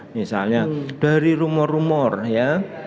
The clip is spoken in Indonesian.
misalnya dari rumor rumor ya